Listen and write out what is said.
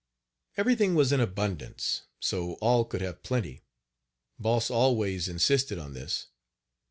Everything was in abundance, so all could have plenty Boss always insisted on this.